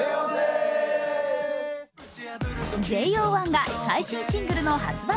ＪＯ１が最新シングルの発売